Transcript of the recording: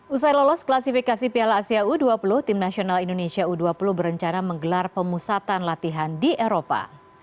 usai lolos klasifikasi piala asia u dua puluh tim nasional indonesia u dua puluh berencana menggelar pemusatan latihan di eropa